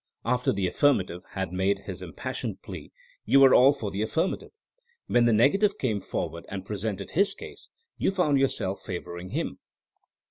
After the affirmative had made his impassioned plea you were all for the affirmative. When the negative came forward and presented his case, you found yourself favoring him.